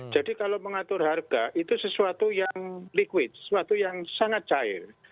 jadi kalau mengatur harga itu sesuatu yang liquid sesuatu yang sangat cair